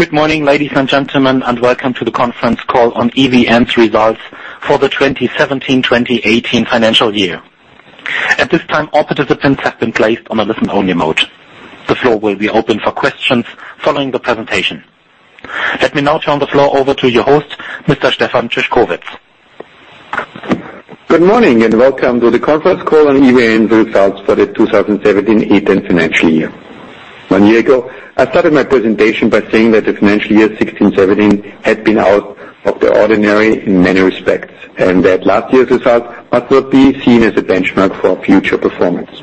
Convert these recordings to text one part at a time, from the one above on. Good morning, ladies and gentlemen, welcome to the conference call on EVN's results for the 2017-2018 financial year. At this time, all participants have been placed on a listen-only mode. The floor will be open for questions following the presentation. Let me now turn the floor over to your host, Mr. Stefan Szyszkowitz. Good morning, welcome to the conference call on EVN's results for the 2017-2018 financial year. One year ago, I started my presentation by saying that the financial year 2016-2017 had been out of the ordinary in many respects, That last year's results might not be seen as a benchmark for future performance.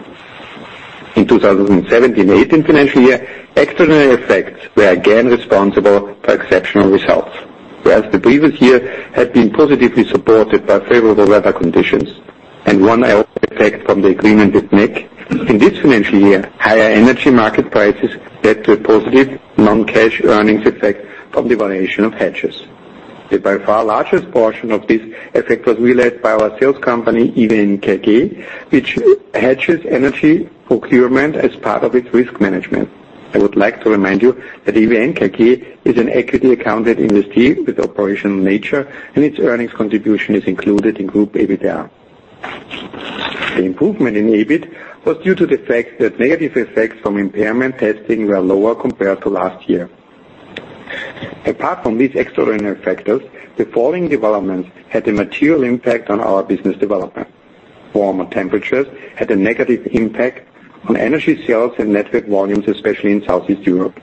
In 2017-2018 financial year, extraordinary effects were again responsible for exceptional results. Whereas the previous year had been positively supported by favorable weather conditions and one-off effect from the agreement with NEK, in this financial year, higher energy market prices led to a positive non-cash earnings effect from the valuation of hedges. The by far largest portion of this effect was realized by our sales company, EVN KG, which hedges energy procurement as part of its risk management. I would like to remind you that EVN KG is an equity accounted entity with operational nature, Its earnings contribution is included in group EBITDA. The improvement in EBIT was due to the fact that negative effects from impairment testing were lower compared to last year. Apart from these extraordinary factors, the following developments had a material impact on our business development. Warmer temperatures had a negative impact on energy sales and network volumes, especially in Southeast Europe.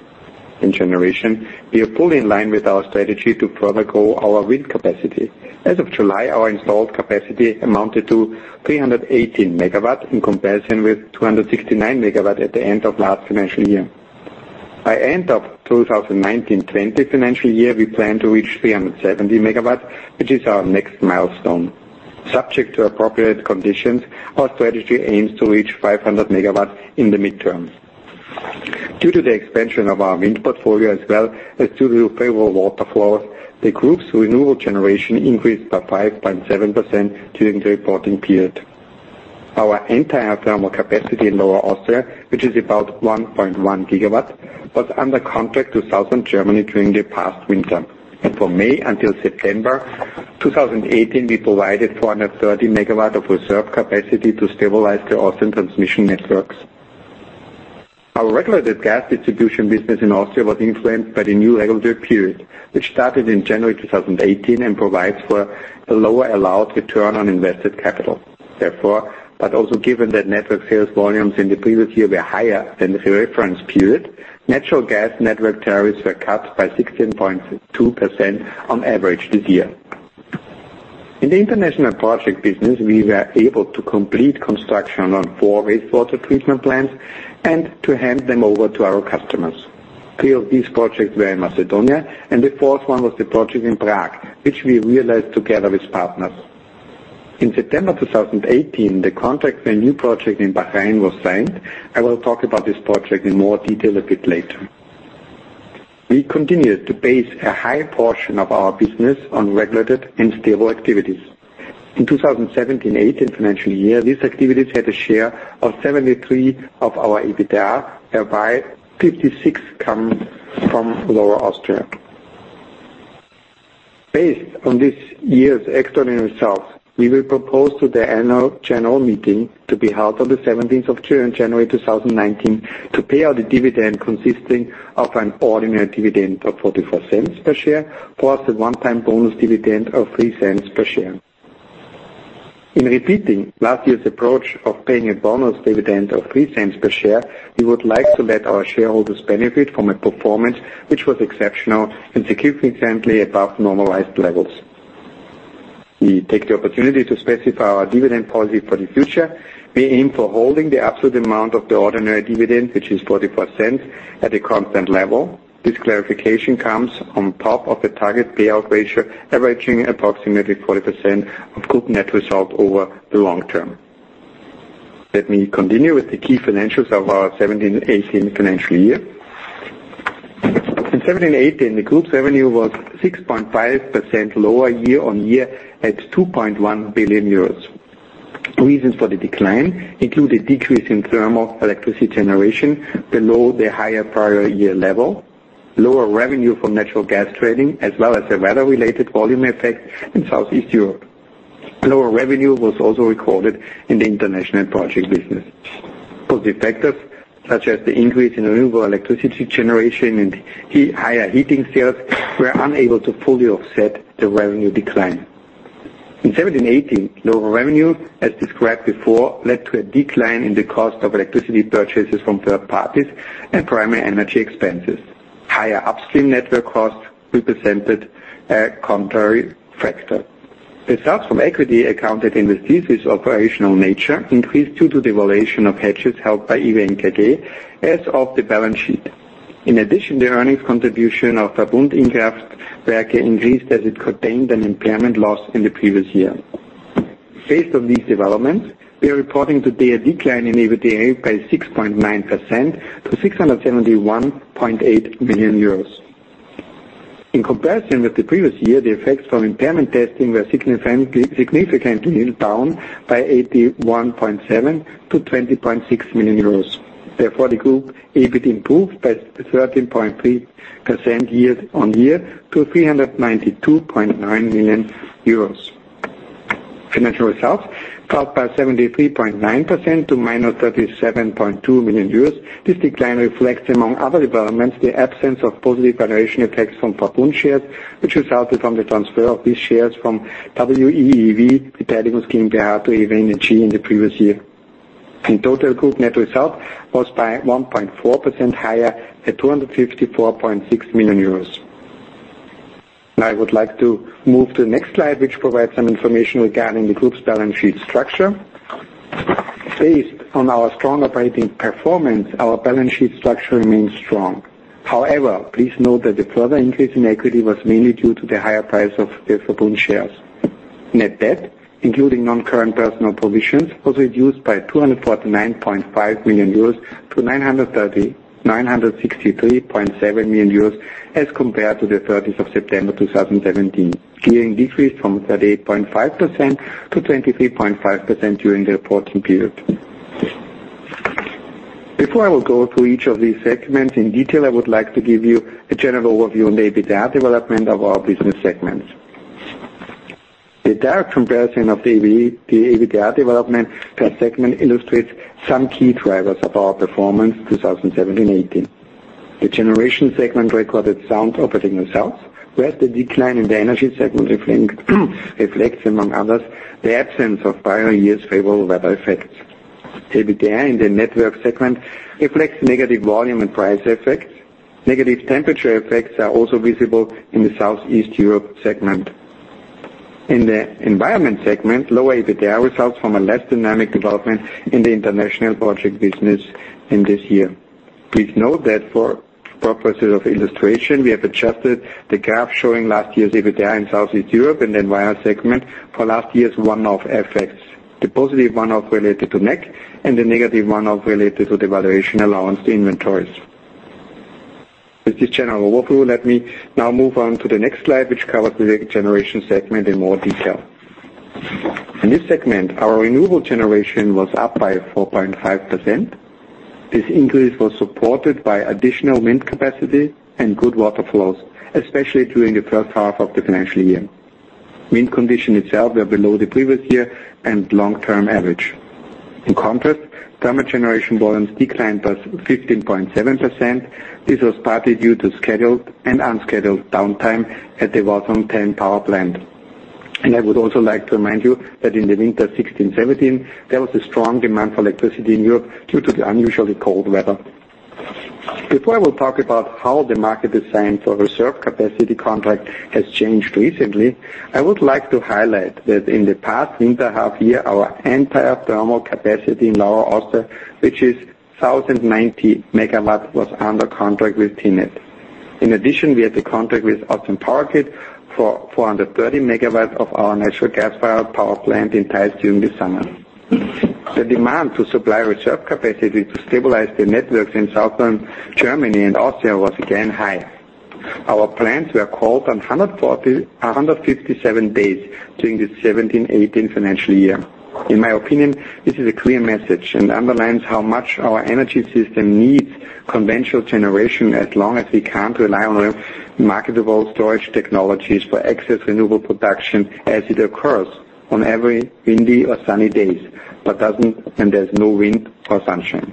In generation, we are fully in line with our strategy to further grow our wind capacity. As of July, our installed capacity amounted to 318 megawatts, in comparison with 269 megawatts at the end of last financial year. By end of 2019-2020 financial year, we plan to reach 370 megawatts, which is our next milestone. Subject to appropriate conditions, our strategy aims to reach 500 megawatts in the midterm. Due to the expansion of our wind portfolio as well as due to favorable water flows, the group's renewable generation increased by 5.7% during the reporting period. Our entire thermal capacity in Lower Austria, which is about 1.1 gigawatts, was under contract to Southern Germany during the past winter. From May until September 2018, we provided 230 megawatts of reserve capacity to stabilize the Austrian transmission networks. Our regulated gas distribution business in Austria was influenced by the new regulatory period, which started in January 2018 and provides for a lower allowed return on invested capital. Therefore, also given that network sales volumes in the previous year were higher than the reference period, natural gas network tariffs were cut by 16.2% on average this year. In the international project business, we were able to complete construction on four wastewater treatment plants and to hand them over to our customers. Three of these projects were in Macedonia, and the fourth one was the project in Prague, which we realized together with partners. In September 2018, the contract for a new project in Bahrain was signed. I will talk about this project in more detail a bit later. We continued to base a high portion of our business on regulated and stable activities. In 2017-18 financial year, these activities had a share of 73% of our EBITDA, whereby 56% comes from Lower Austria. Based on this year's extraordinary results, we will propose to the annual general meeting, to be held on the 17th of January 2019, to pay out a dividend consisting of an ordinary dividend of 0.44 per share, plus a one-time bonus dividend of 0.03 per share. In repeating last year's approach of paying a bonus dividend of 0.03 per share, we would like to let our shareholders benefit from a performance which was exceptional and significantly above normalized levels. We take the opportunity to specify our dividend policy for the future. We aim for holding the absolute amount of the ordinary dividend, which is 0.44, at a constant level. This clarification comes on top of the target payout ratio, averaging approximately 40% of group net result over the long term. Let me continue with the key financials of our 2017-2018 financial year. In 2017-2018, the group's revenue was 6.5% lower year-over-year at 2.1 billion euros. Reasons for the decline include a decrease in thermal electricity generation below the higher prior year level, lower revenue from natural gas trading, as well as a weather-related volume effect in Southeast Europe. Lower revenue was also recorded in the international project business. Positive factors, such as the increase in renewable electricity generation and higher heating sales, were unable to fully offset the revenue decline. In 2017-2018, lower revenue, as described before, led to a decline in the cost of electricity purchases from third parties and primary energy expenses. Higher upstream network costs represented a contrary factor. The results from equity accounted entities with operational nature increased due to the valuation of hedges held by EVN KG as of the balance sheet. In addition, the earnings contribution of Verbund Infrastruktur AG increased as it contained an impairment loss in the previous year. Based on these developments, we are reporting today a decline in EBITDA by 6.9% to 671.8 million euros. In comparison with the previous year, the effects from impairment testing were significantly down by 81.7 million to 20.6 million euros. Therefore, the group EBIT improved by 13.3% year-over-year to EUR 392.9 million. Financial results dropped by 73.9% to minus 37.2 million euros. This decline reflects, among other developments, the absence of positive valuation effects from Verbund shares, which resulted from the transfer of these shares from WEEV, the Pension Scheme Gerhard, to EVN Energy in the previous year. Total group net result was by 1.4% higher at 254.6 million euros. Now I would like to move to the next slide, which provides some information regarding the group's balance sheet structure. Based on our strong operating performance, our balance sheet structure remains strong. Please note that the further increase in equity was mainly due to the higher price of the Verbund shares. Net debt, including non-current personal provisions, was reduced by 249.5 million euros to 963.7 million euros as compared to the 30th of September 2017. Gearing decreased from 38.5% to 23.5% during the reporting period. Before I will go through each of these segments in detail, I would like to give you a general overview on the EBITDA development of our business segments. The direct comparison of the EBITDA development per segment illustrates some key drivers of our performance 2017/2018. The generation segment recorded sound operating results, whereas the decline in the energy segment reflects, among others, the absence of prior years' favorable weather effects. EBITDA in the network segment reflects negative volume and price effects. Negative temperature effects are also visible in the Southeast Europe segment. In the environment segment, lower EBITDA results from a less dynamic development in the international project business in this year. Please note that for purposes of illustration, we have adjusted the graph showing last year's EBITDA in Southeast Europe and environment segment for last year's one-off effects, the positive one-off related to NEK and the negative one-off related to the valuation allowance inventories. With this general overview, let me now move on to the next slide, which covers the generation segment in more detail. In this segment, our renewable generation was up by 4.5%. This increase was supported by additional wind capacity and good water flows, especially during the first half of the financial year. Wind conditions itself were below the previous year and long-term average. In contrast, thermal generation volumes declined by 15.7%. This was partly due to scheduled and unscheduled downtime at the Wartholten power plant. I would also like to remind you that in the winter 2016, 2017, there was a strong demand for electricity in Europe due to the unusually cold weather. Before I will talk about how the market design for reserve capacity contract has changed recently, I would like to highlight that in the past winter half year, our entire thermal capacity in Lower Austria, which is 1,090 MW, was under contract with TenneT. In addition, we had a contract with Austrian Power Grid for 430 MW of our natural gas-fired power plant in Theiß during the summer. The demand to supply reserve capacity to stabilize the networks in Southern Germany and Austria was again high. Our plants were called on 157 days during the 2017, 2018 financial year. In my opinion, this is a clear message and underlines how much our energy system needs conventional generation as long as we can't rely on marketable storage technologies for excess renewable production as it occurs on every windy or sunny days, but doesn't when there's no wind or sunshine.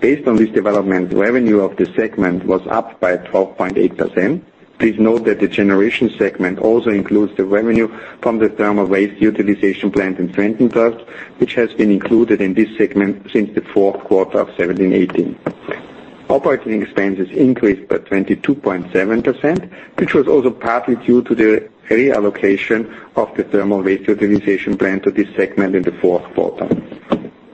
Based on this development, revenue of the segment was up by 12.8%. Please note that the generation segment also includes the revenue from the thermal waste utilization plant in Schwechat, which has been included in this segment since the fourth quarter of 2017, 2018. Operating expenses increased by 22.7%, which was also partly due to the reallocation of the thermal waste utilization plant to this segment in the fourth quarter.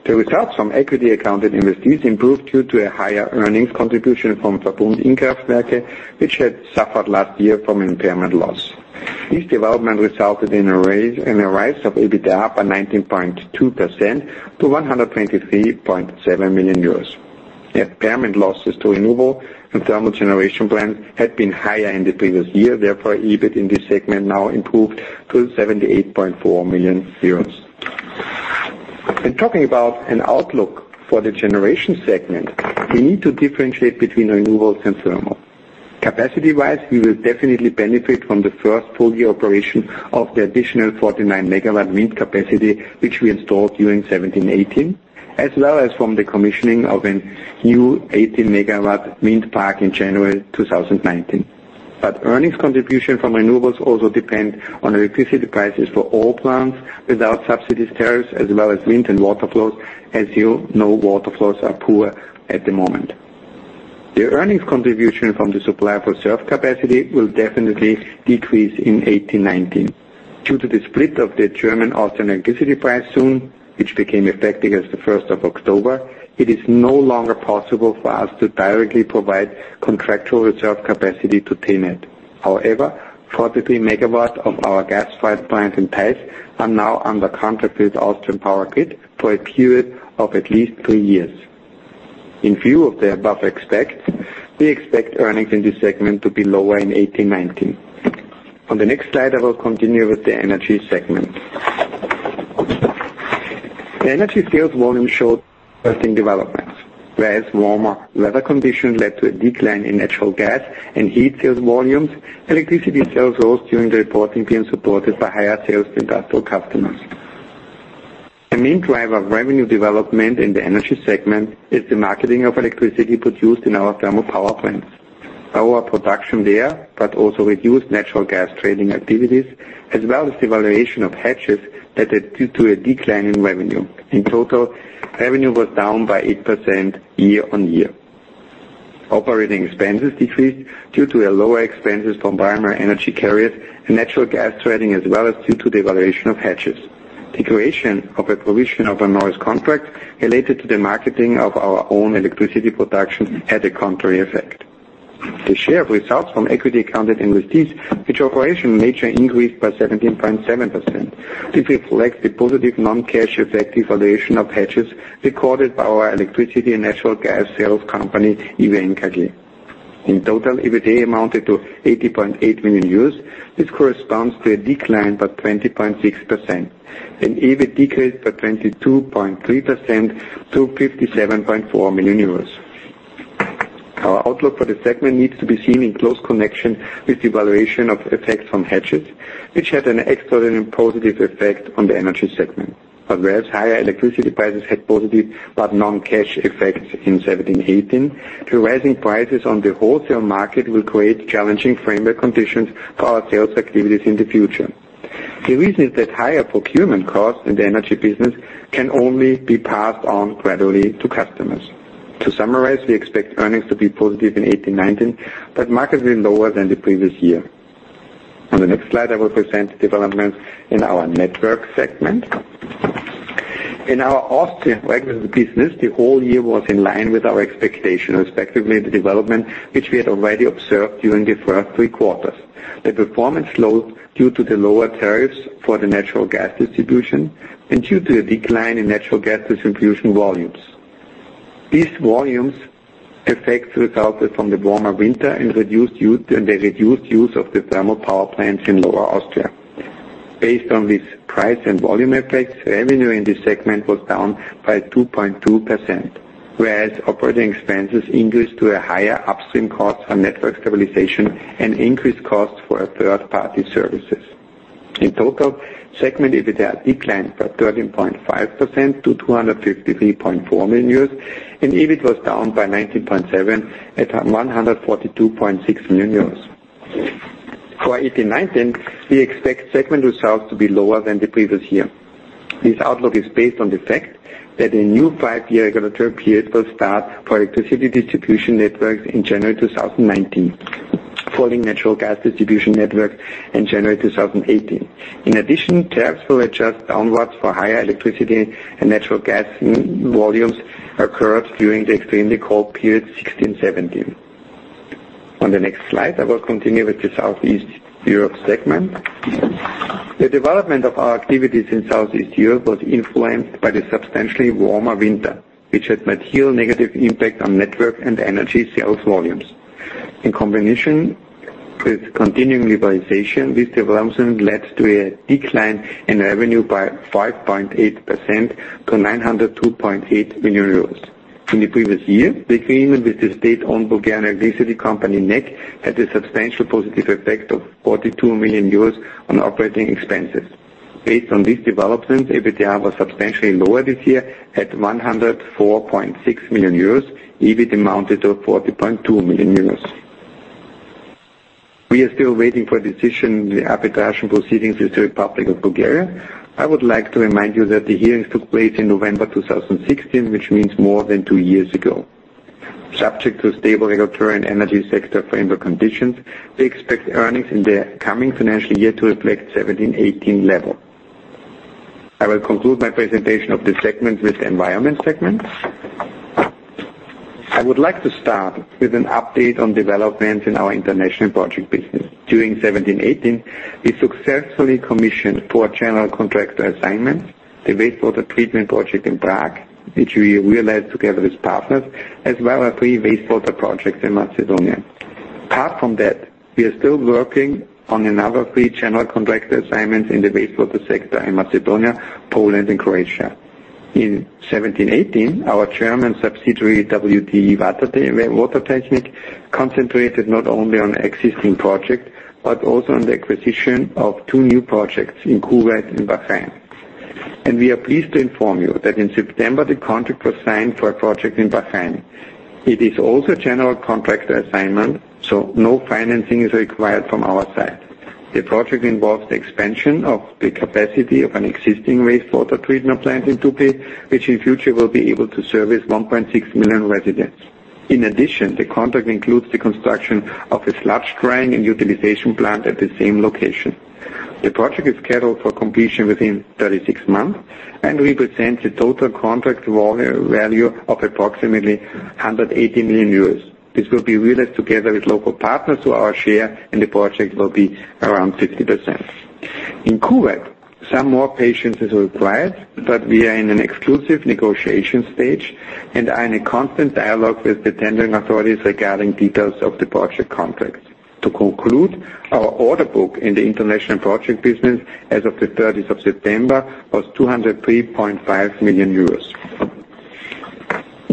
The results from equity accounted investments improved due to a higher earnings contribution from Verbund Innkraftwerke, which had suffered last year from impairment loss. This development resulted in a rise of EBITDA by 19.2% to 123.7 million euros. The impairment losses to renewable and thermal generation plants had been higher in the previous year, therefore, EBIT in this segment now improved to 78.4 million euros. In talking about an outlook for the generation segment, we need to differentiate between renewables and thermal. Capacity-wise, we will definitely benefit from the first full year operation of the additional 49-megawatt wind capacity, which we installed during 2017, 2018, as well as from the commissioning of a new 18-megawatt wind park in January 2019. Earnings contribution from renewables also depend on electricity prices for all plants without subsidies, tariffs, as well as wind and water flows. As you know, water flows are poor at the moment. The earnings contribution from the supply for reserve capacity will definitely decrease in 2018, 2019. Due to the split of the German-Austrian electricity price zone, which became effective as the 1st of October, it is no longer possible for us to directly provide contractual reserve capacity to TenneT. However, 43 megawatts of our gas-fired plant in Theiß are now under contract with Austrian Power Grid for a period of at least three years. In view of the above, we expect earnings in this segment to be lower in 2018/2019. On the next slide, I will continue with the energy segment. The energy sales volume showed interesting developments, whereas warmer weather conditions led to a decline in natural gas and heat sales volumes. Electricity sales rose during the reporting period, supported by higher sales to industrial customers. The main driver of revenue development in the energy segment is the marketing of electricity produced in our thermal power plants. Our production there, but also reduced natural gas trading activities, as well as the valuation of hedges that had due to a decline in revenue. In total, revenue was down by 8% year-on-year. Operating expenses decreased due to lower expenses from primary energy carriers and natural gas trading, as well as due to the valuation of hedges. The creation of a provision of an onerous contract related to the marketing of our own electricity production had a contrary effect. The share of results from equity accounted investees, which operation nature increased by 17.7%. This reflects the positive non-cash effect valuation of hedges recorded by our electricity and natural gas sales company, EVN KG. In total, EBIT amounted to 80.8 million euros. This corresponds to a decline by 20.6%, and EBIT decreased by 22.3% to 57.4 million euros. Our outlook for the segment needs to be seen in close connection with the valuation of effects from hedges, which had an extraordinary positive effect on the energy segment. Whereas higher electricity prices had positive but non-cash effects in 2017/2018, the rising prices on the wholesale market will create challenging framework conditions for our sales activities in the future. The reason is that higher procurement costs in the energy business can only be passed on gradually to customers. To summarize, we expect earnings to be positive in 2018/2019, but markedly lower than the previous year. On the next slide, I will present developments in our network segment. In our Austrian regulated business, the whole year was in line with our expectation, respectively, the development which we had already observed during the first three quarters. The performance slowed due to the lower tariffs for the natural gas distribution and due to a decline in natural gas distribution volumes. These volumes effects resulted from the warmer winter and the reduced use of the thermal power plants in Lower Austria. Based on this price and volume effects, revenue in this segment was down by 2.2%, whereas operating expenses increased due to higher upstream costs for network stabilization and increased costs for our third-party services. In total, segment EBITDA declined by 13.5% to 253.4 million euros, and EBIT was down by 19.7% at 142.6 million euros. For 2018/2019, we expect segment results to be lower than the previous year. This outlook is based on the fact that a new five-year regulatory period will start for electricity distribution networks in January 2019, following natural gas distribution networks in January 2018. Tariffs will adjust downwards for higher electricity and natural gas volumes occurred during the extremely cold period 2016/2017. On the next slide, I will continue with the Southeast Europe segment. The development of our activities in Southeast Europe was influenced by the substantially warmer winter, which had material negative impact on network and energy sales volumes. This development led to a decline in revenue by 5.8% to 902.8 million euros. In the previous year, the agreement with the state-owned Bulgarian electricity company, NEK, had a substantial positive effect of 42 million euros on operating expenses. Based on these developments, EBITDA was substantially lower this year at 104.6 million euros. EBIT amounted to 40.2 million euros. We are still waiting for a decision in the application proceedings with the Republic of Bulgaria. I would like to remind you that the hearings took place in November 2016, which means more than two years ago. Subject to stable regulatory and energy sector framework conditions, we expect earnings in the coming financial year to reflect 2017/2018 level. I will conclude my presentation of this segment with the environment segment. I would like to start with an update on developments in our international project business. During 2017/2018, we successfully commissioned four general contractor assignments, the wastewater treatment project in Prague, which we realized together with partners, as well as three wastewater projects in Macedonia. We are still working on another three general contractor assignments in the wastewater sector in Macedonia, Poland, and Croatia. In 2017/2018, our German subsidiary, WTE Wassertechnik, concentrated not only on existing projects, but also on the acquisition of two new projects in Kuwait and Bahrain. We are pleased to inform you that in September, the contract was signed for a project in Bahrain. It is also a general contractor assignment, so no financing is required from our side. The project involves the expansion of the capacity of an existing wastewater treatment plant in Tubli, which in future will be able to service 1.6 million residents. The contract includes the construction of a sludge drying and utilization plant at the same location. The project is scheduled for completion within 36 months, represents a total contract value of approximately 180 million euros. This will be realized together with local partners who our share in the project will be around 50%. In Kuwait, some more patience is required, we are in an exclusive negotiation stage and are in a constant dialogue with the tendering authorities regarding details of the project contracts. To conclude, our order book in the International Projects business as of the 30th of September was 203.5 million euros.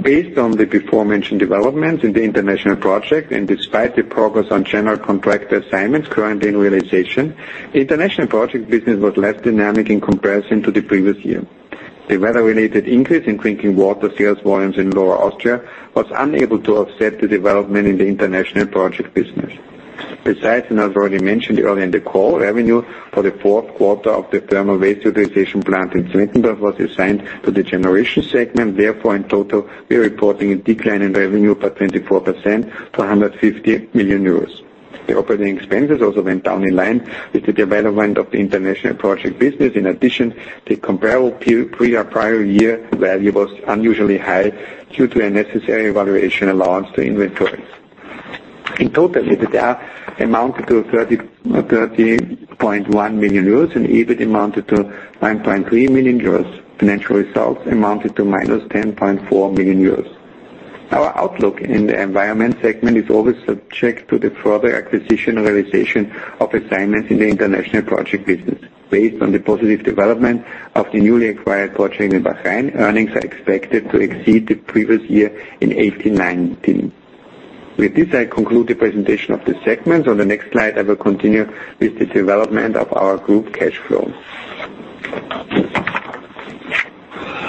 Based on the beforementioned developments in the International Projects, and despite the progress on general contract assignments currently in realization, International Projects business was less dynamic in comparison to the previous year. The weather-related increase in drinking water sales volumes in Lower Austria was unable to offset the development in the International Projects business. Besides, I've already mentioned earlier in the call, revenue for the fourth quarter of the thermal waste utilization plant in Zwentendorf was assigned to the Generations segment. Therefore, in total, we are reporting a decline in revenue by 24% to 150 million euros. The operating expenses also went down in line with the development of the International Projects business. In addition, the comparable period prior year value was unusually high due to a necessary valuation allowance to inventories. In total, EBITDA amounted to 30.1 million euros and EBIT amounted to 9.3 million euros. Financial results amounted to minus 10.4 million euros. Our outlook in the Environment segment is always subject to the further acquisition realization of assignments in the International Projects business. Based on the positive development of the newly acquired project in Bahrain, earnings are expected to exceed the previous year in 2018/2019. With this, I conclude the presentation of the segments. On the next slide, I will continue with the development of our group cash flow.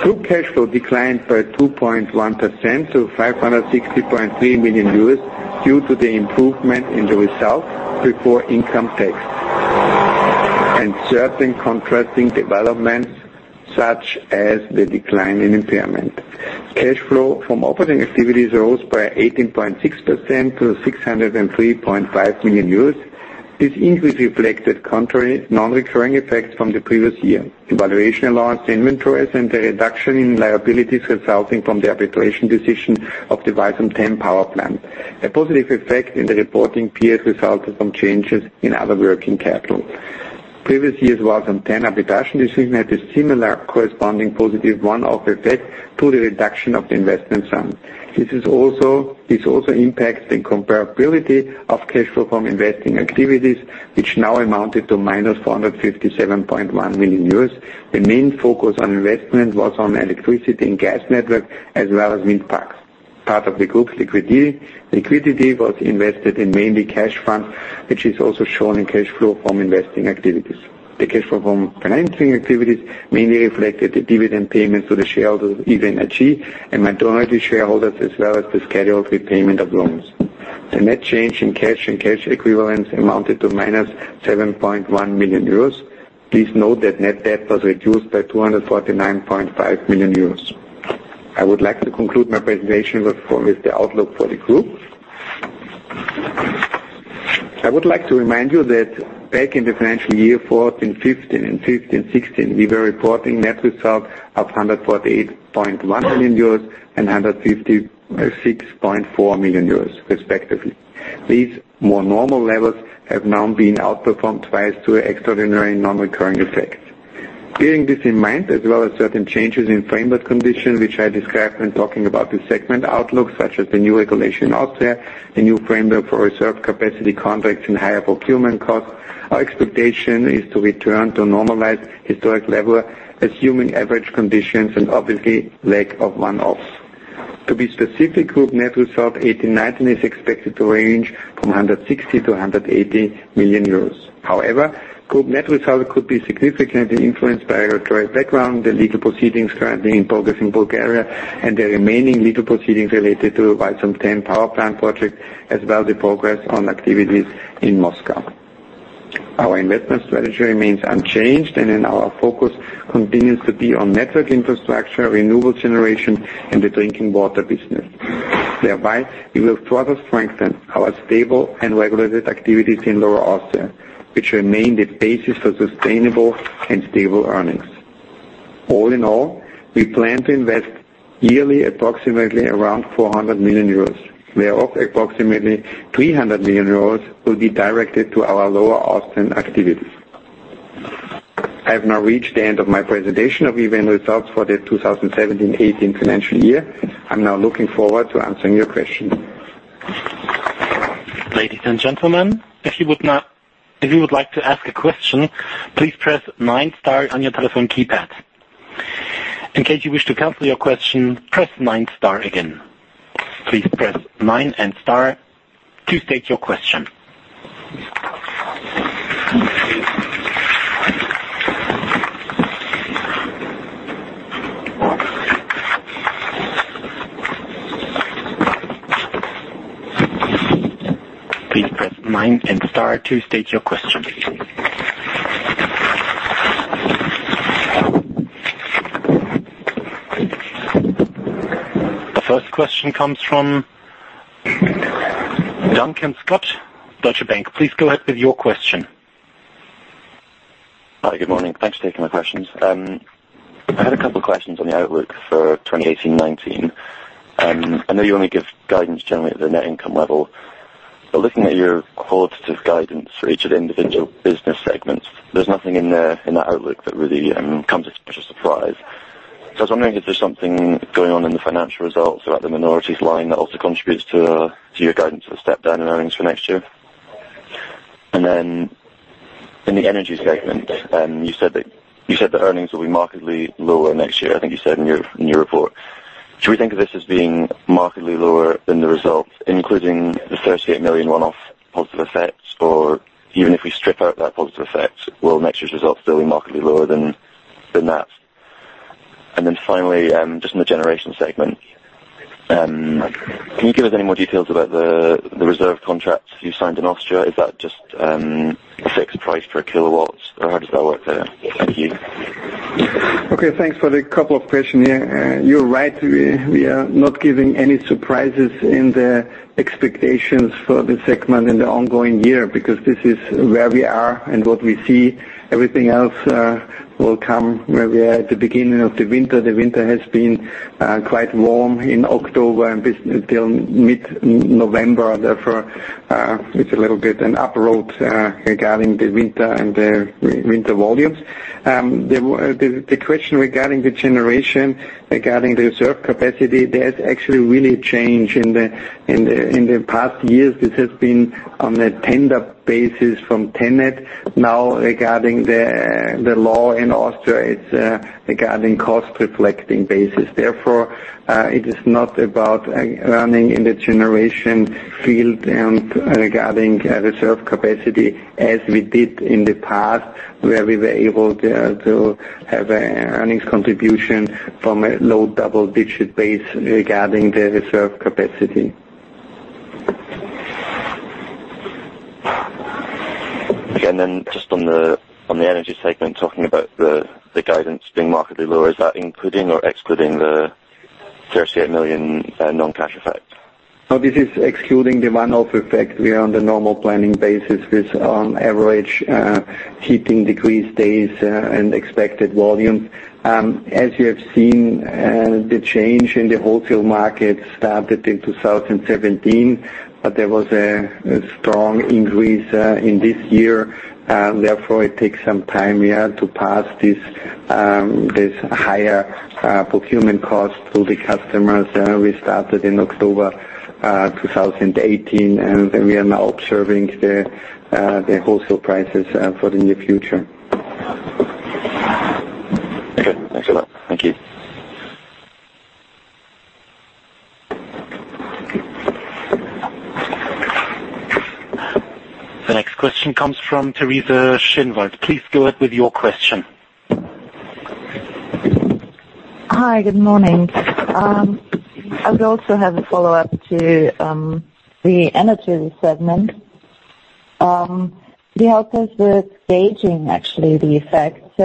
Group cash flow declined by 2.1% to 560.3 million euros due to the improvement in the results before income tax, and certain contrasting developments such as the decline in impairment. Cash flow from operating activities rose by 18.6% to 603.5 million euros. This increase reflected contrary non-recurring effects from the previous year. The valuation allowance inventories, and the reduction in liabilities resulting from the arbitration decision of the Walsum 10 power plant. A positive effect in the reporting period resulted from changes in other working capital. Previous years' Walsum 10 arbitration decision had a similar corresponding positive one-off effect to the reduction of the investment sum. This also impacts the comparability of cash flow from investing activities, which now amounted to minus 457.1 million euros. The main focus on investment was on electricity and gas network, as well as wind parks. Part of the group's liquidity was invested in mainly cash funds, which is also shown in cash flow from investing activities. The cash flow from financing activities mainly reflected the dividend payments to the shareholders, EVN AG, and majority shareholders, as well as the scheduled repayment of loans. The net change in cash and cash equivalents amounted to minus 7.1 million euros. Please note that net debt was reduced by 249.5 million euros. I would like to conclude my presentation with the outlook for the group. I would like to remind you that back in the financial year 2014/2015 and 2015/2016, we were reporting net results of 148.1 million euros and 156.4 million euros respectively. These more normal levels have now been outperformed twice through extraordinary non-recurring effects. Bearing this in mind, as well as certain changes in framework conditions which I described when talking about the segment outlook, such as the new regulation in Austria, the new framework for reserve capacity contracts and higher procurement costs, our expectation is to return to normalized historic level, assuming average conditions and obviously lack of one-offs. To be specific, group net result 2018/2019 is expected to range from 160 million to 180 million euros. group net result could be significantly influenced by regulatory background, the legal proceedings currently in progress in Bulgaria, and the remaining legal proceedings related to Walsum 10 power plant project, as well the progress on activities in Moscow. Our investment strategy remains unchanged and our focus continues to be on network infrastructure, renewable generation, and the drinking water business. Thereby, we will further strengthen our stable and regulated activities in Lower Austria, which remain the basis for sustainable and stable earnings. All in all, we plan to invest yearly approximately around 400 million euros, whereof approximately 300 million euros will be directed to our Lower Austrian activities. I'm now reached the end of my presentation of EVN results for the 2017/18 financial year. I'm now looking forward to answering your questions. Ladies and gentlemen, if you would like to ask a question, please press nine star on your telephone keypad. In case you wish to cancel your question, press nine star again. Please press nine and star to state your question. Please press nine and star to state your question. The first question comes from Duncan Scott, Deutsche Bank. Please go ahead with your question. Hi, good morning. Thanks for taking my questions. I had a couple questions on the outlook for 2018-19. I know you only give guidance generally at the net income level, but looking at your qualitative guidance for each of the individual business segments, there's nothing in there in that outlook that really comes as much a surprise. I was wondering if there's something going on in the financial results about the minorities line that also contributes to your guidance of a step down in earnings for next year. In the energy segment, you said that earnings will be markedly lower next year, I think you said in your report. Should we think of this as being markedly lower than the results, including the 38 million one-off positive effects, or even if we strip out that positive effect, will next year's results still be markedly lower than that? Finally, just in the generation segment, can you give us any more details about the reserve contracts you signed in Austria? Is that just a fixed price per kilowatts, or how does that work there? Thank you. Okay, thanks for the couple of questions here. You are right, we are not giving any surprises in the expectations for the segment in the ongoing year, because this is where we are and what we see. Everything else will come where we are at the beginning of the winter. The winter has been quite warm in October and till mid-November, therefore, it's a little bit an up road regarding the winter and the winter volumes. The question regarding the generation, regarding the reserve capacity, there's actually really a change. In the past years, this has been on a tender basis from TenneT. Now, regarding the law in Austria, it's regarding cost-reflecting basis. Therefore, it is not about earning in the generation field and regarding reserve capacity as we did in the past, where we were able to have an earnings contribution from a low double-digit base regarding the reserve capacity. Again, just on the energy segment, talking about the guidance being markedly lower, is that including or excluding the 38 million non-cash effect? No, this is excluding the one-off effect. We are on the normal planning basis with average heating degree days and expected volume. As you have seen, the change in the wholesale market started in 2017, there was a strong increase in this year. Therefore, it takes some time here to pass this higher procurement cost to the customers. We started in October 2018, we are now observing the wholesale prices for the near future. Okay. Thanks a lot. Thank you. The next question comes from Teresa Schinwald. Please go ahead with your question. Hi. Good morning. I would also have a follow-up to the energy segment. Could you help us with gauging, actually, the effect?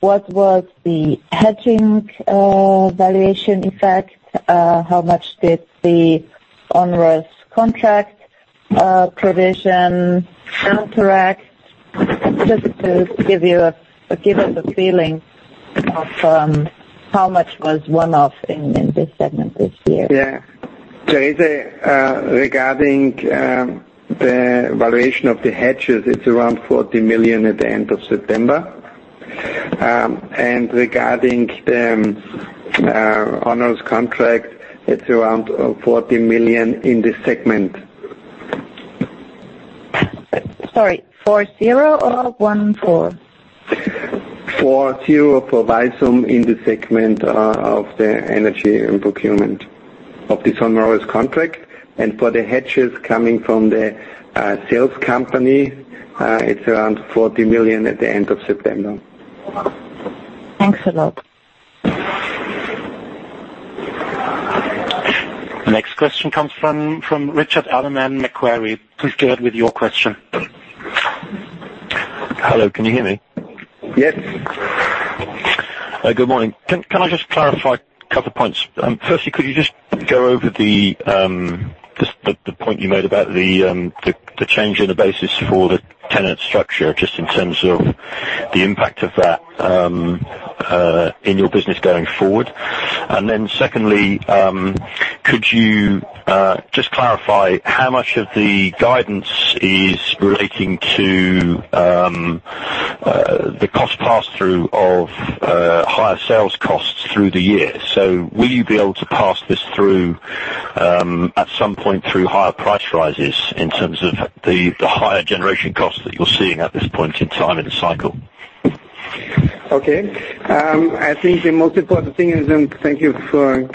What was the hedging valuation effect? How much did the onerous contract provision interact? Just to give us a feeling of how much was one-off in this segment this year. Yeah. Theresa, regarding the valuation of the hedges, it's around 40 million at the end of September. Regarding the onerous contract, it's around 40 million in this segment. Sorry, 40 or 14? 40 for visor in the segment of the energy and procurement of this onerous contract. For the hedges coming from the sales company, it's around 40 million at the end of September. Thanks a lot. The next question comes from Richard Alderman, Macquarie. Please go ahead with your question. Hello, can you hear me? Yes. Good morning. Can I just clarify a couple points? Firstly, could you just go over the point you made about the change in the basis for the TenneT structure, just in terms of the impact of that in your business going forward? Secondly, could you just clarify how much of the guidance is relating to the cost pass-through of higher sales costs through the year? Will you be able to pass this through at some point through higher price rises in terms of the higher generation costs that you're seeing at this point in time in the cycle? Okay. I think the most important thing is, thank you for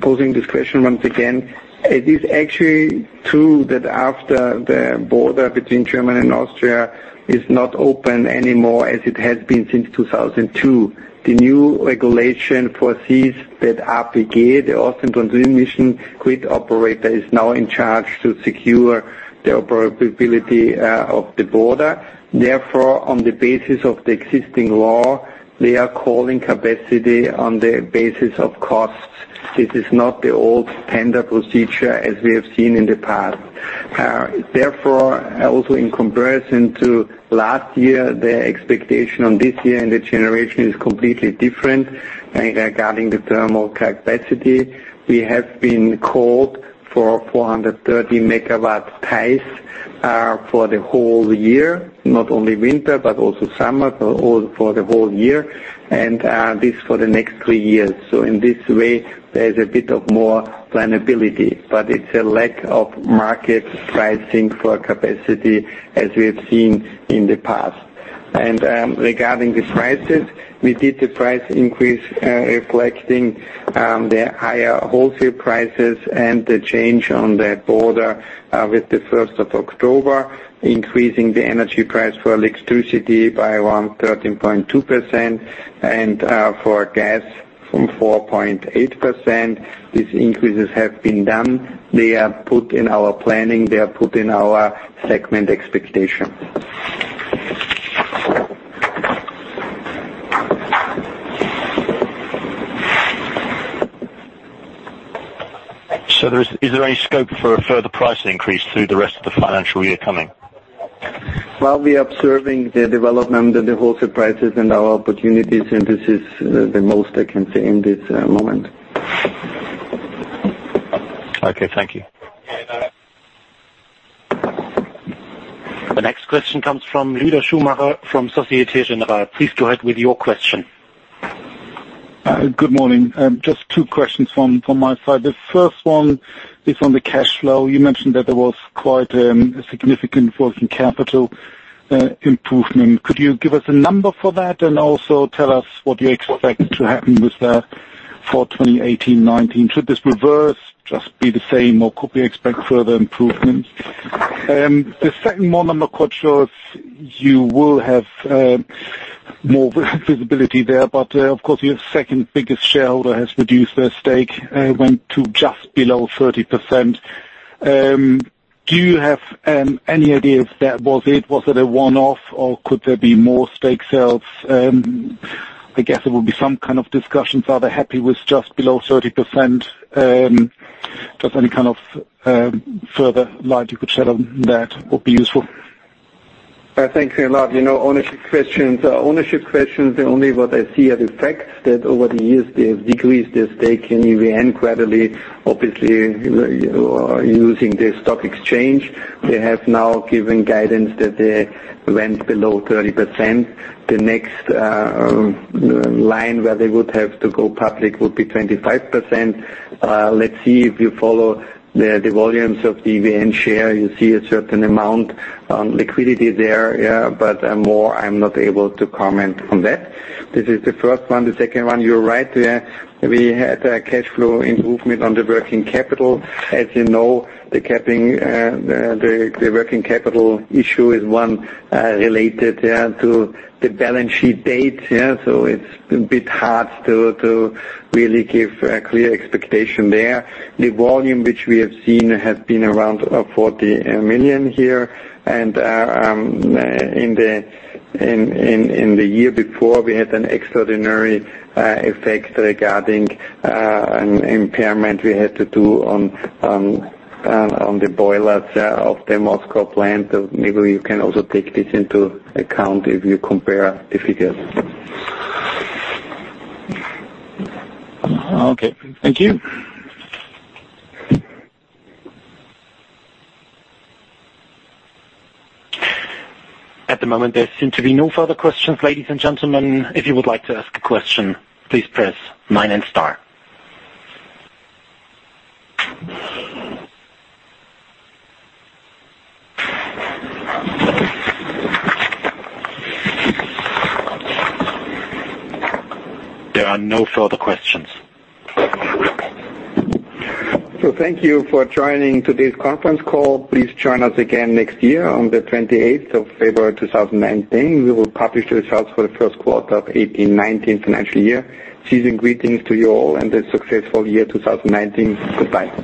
posing this question once again, it is actually true that after the border between Germany and Austria is not open anymore as it has been since 2002. The new regulation foresees that APG, the Austrian Transmission Grid Operator, is now in charge to secure the operability of the border. Therefore, on the basis of the existing law, they are calling capacity on the basis of costs. This is not the old tender procedure as we have seen in the past. Therefore, also in comparison to last year, the expectation on this year and the generation is completely different regarding the thermal capacity. We have been called for 430 megawatts Theiß for the whole year, not only winter but also summer, for the whole year, and this for the next three years. In this way, it's a bit of more planability, but it's a lack of market pricing for capacity as we have seen in the past. Regarding the prices, we did the price increase, reflecting the higher wholesale prices and the change on the border with the 1st of October, increasing the energy price for electricity by around 13.2% and for gas from 4.8%. These increases have been done. They are put in our planning. They are put in our segment expectation. Is there any scope for a further price increase through the rest of the financial year coming? Well, we are observing the development of the wholesale prices and our opportunities, and this is the most I can say in this moment. Okay. Thank you. The next question comes from Luder Schumacher from Société Générale. Please go ahead with your question. Good morning. Just two questions from my side. The first one is on the cash flow. You mentioned that there was quite a significant working capital improvement. Could you give us a number for that and also tell us what you expect to happen with that for 2018-2019? Should this reverse, just be the same, or could we expect further improvements? The second one, I'm not quite sure you will have more visibility there, but of course, your second-biggest shareholder has reduced their stake, went to just below 30%. Do you have any idea if that was it? Was it a one-off or could there be more stake sales? I guess there will be some kind of discussions. Are they happy with just below 30%? Just any kind of further light you could shed on that would be useful. Thank you a lot. Ownership questions, only what I see as a fact that over the years, they have decreased their stake in EVN gradually. Obviously, using the stock exchange. They have now given guidance that they went below 30%. The next line where they would have to go public would be 25%. Let's see if you follow the volumes of EVN share. You see a certain amount on liquidity there, but more, I'm not able to comment on that. This is the first one. The second one, you're right. We had a cash flow improvement on the working capital. As you know, the working capital issue is one related to the balance sheet date. It's a bit hard to really give a clear expectation there. The volume which we have seen has been around 40 million here. In the year before, we had an extraordinary effect regarding an impairment we had to do on the boilers of the Moscow plant. Maybe you can also take this into account if you compare the figures. Okay. Thank you. At the moment, there seem to be no further questions. Ladies and gentlemen, if you would like to ask a question, please press 9 and star. There are no further questions. Thank you for joining today's conference call. Please join us again next year on the 28th of February 2019. We will publish the results for the first quarter of 2018-2019 financial year. Season's greetings to you all and a successful year 2019. Goodbye.